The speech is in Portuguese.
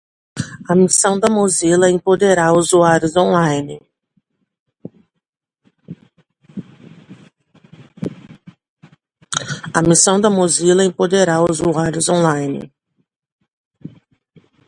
A missão da Mozilla é empoderar usuários online.